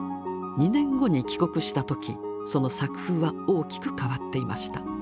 ２年後に帰国した時その作風は大きく変わっていました。